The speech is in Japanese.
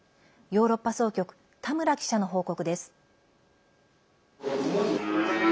ヨーロッパ総局田村記者の報告です。